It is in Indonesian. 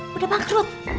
hah udah bangkrut